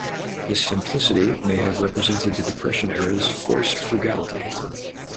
This simplicity may have represented the depression era's forced frugality.